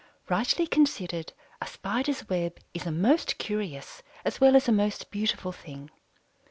Rightly considered, a Spider's web is a most curious as well as a most beautiful thing.